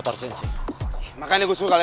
tampang aja bule